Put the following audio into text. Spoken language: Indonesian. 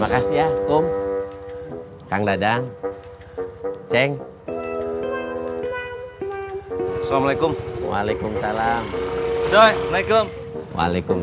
makasih ya kum kang dadam ceng makasih ya kum kang dadam ceng